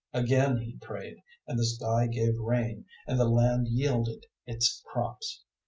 005:018 Again he prayed, and the sky gave rain and the land yielded its crops.